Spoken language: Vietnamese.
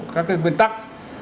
các cái nguyên tắc